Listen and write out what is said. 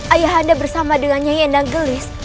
ayah anda bersama dengan nyai endang gelis